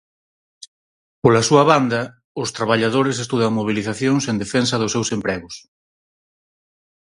Pola súa banda os traballadores estudan mobilizacións en defensa dos seus empregos.